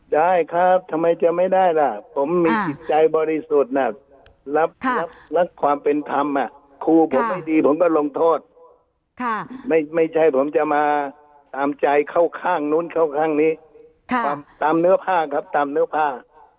ได้ครับทำไมจะไม่ได้ล่ะผมมีจิตใจบริสุทธิ์รับความเป็นธรรมครูผมไม่ดีผมก็ลงโทษไม่ใช่ผมจะมาตามใจเข้าข้างนู้นเข้าข้างนี้ตามเนื้อผ้าครับตามเนื้อผ้า